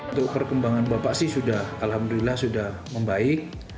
untuk perkembangan bapak sih sudah alhamdulillah sudah membaik